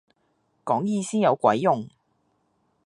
講意思有鬼用